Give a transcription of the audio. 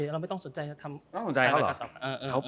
เราไม่ต้องสนใจนะ